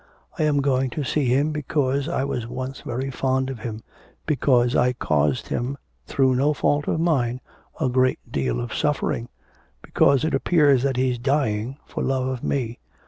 I am going to see him because I was once very fond of him, because I caused him, through no fault of mine, a great deal of suffering because it appears that he's dying for love of me.